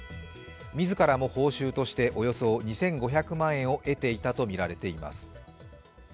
自らも報酬として、およそ２５００万円を得ていたとみられています。